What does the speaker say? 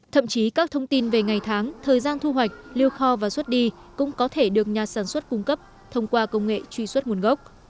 thậm chí các thông tin về ngày tháng thời gian thu hoạch lưu kho và xuất đi cũng có thể được nhà sản xuất cung cấp thông qua công nghệ truy xuất nguồn gốc